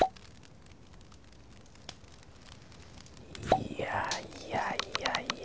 いやいやいやいや